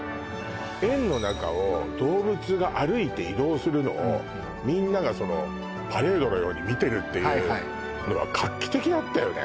園の中を動物が歩いて移動するのをみんながパレードのように見てるっていうのは画期的だったよね